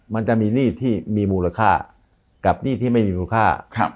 มันจะมีหนี้ที่มีมูลค่ากับหนี้ที่ไม่มีมูลค่า